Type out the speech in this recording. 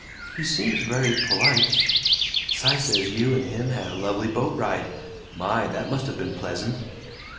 "He seems very polite." "Cy says you and him had a lovely boat ride. My, that must have been pleasant."